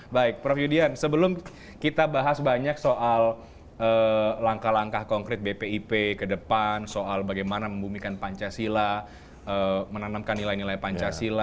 baik prof yudian sebelum kita bahas banyak soal langkah langkah konkret bpip ke depan soal bagaimana membumikan pancasila menanamkan nilai nilai pancasila